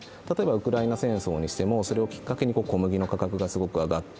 ウクライナ戦争にしてもそれをきっかけに小麦の価格がすごく上がって